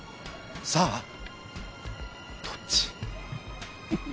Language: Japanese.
さあどっち？